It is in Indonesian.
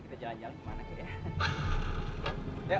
kita jalan jalan kemana itu ya